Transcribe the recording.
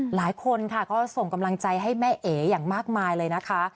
หลายคนค่ะก็ส่งกำลังใจให้แม่เอ๋อย่างมากมายเลยนะคะ